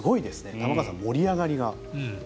玉川さん、盛り上がりが。